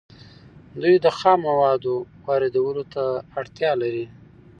دوی د خامو موادو واردولو ته اړتیا لري